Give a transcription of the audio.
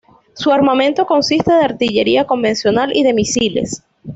Su armamento consiste de artillería convencional y de misiles.